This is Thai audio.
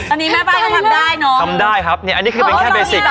อันนี้แม่บ้านก็ทำได้เนอะทำได้ครับนี่อันนี้คือเป็นแค่เบสิก